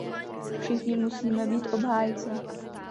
Všichni musíme být obhájci.